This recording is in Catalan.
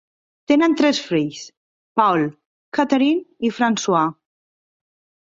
Tenen tres fills: Paul, Catherine i Francois.